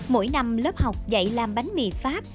mỗi năm lớp học dạy làm bánh mì pháp